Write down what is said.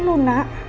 jadi dulu nak